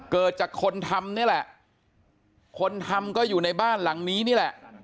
เกิดจากคนทำนี่แหละคนทำก็อยู่ในบ้านหลังนี้นี่แหละ